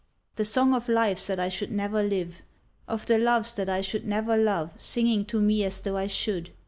The song of lives that I should never live; of the loves that I should never love singlng to me as though I should!